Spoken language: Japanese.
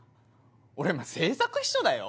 俺今政策秘書だよ？